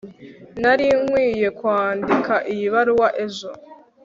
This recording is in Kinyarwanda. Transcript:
nari nkwiye kwandika iyi baruwa ejo